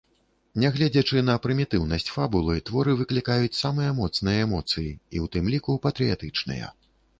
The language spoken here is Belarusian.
Нягледзячы на прымітыўнасць фабулы, творы выклікаюць самыя моцныя эмоцыі, і ў тым ліку патрыятычныя.